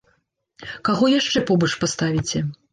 Каго яшчэ побач паставіце?